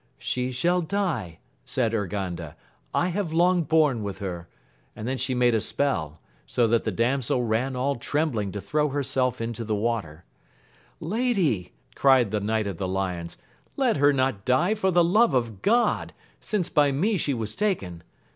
She shall die, said Urganda, I have long borne with her ; and then she made a spell, so that the damsel ran all txem\Am^\iO \)\vxQi^ \i<^x%<^\£ mto the AMADIS OF GAUL. 69 water. Lady, cried the knight of the lions, let her not die for the love of God, since by me she was taken.